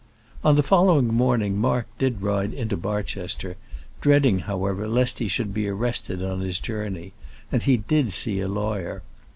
On the following morning Mark did ride into Barchester, dreading, however, lest he should be arrested on his journey, and he did see a lawyer.